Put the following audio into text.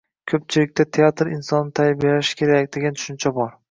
Ko‘pchilikda teatr insonni tarbiyalashi kerak, degan tushuncha bor…